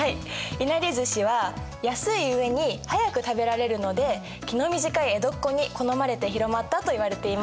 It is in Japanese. いなりずしは安い上に早く食べられるので気の短い江戸っ子に好まれて広まったといわれています。